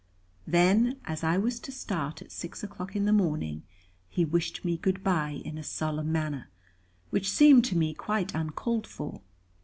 Then, as I was to start at six o'clock in the morning, he wished me "Good bye," in a solemn manner, which seemed to me quite uncalled for.